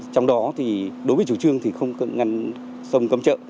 trong đó thì đối với chủ trương thì không cần ngăn sông cấm trợ